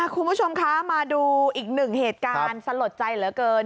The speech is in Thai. คุณผู้ชมคะมาดูอีกหนึ่งเหตุการณ์สลดใจเหลือเกิน